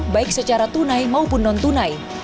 baik secara tunai maupun non tunai